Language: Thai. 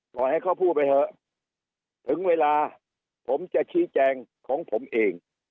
ปล่อยให้เขาพูดไปเถอะถึงเวลาผมจะชี้แจงของผมเอง